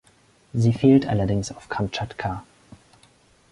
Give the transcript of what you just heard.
Sie fehlt allerdings auf Kamtschatka.